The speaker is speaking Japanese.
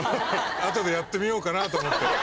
後でやってみようかなと思って。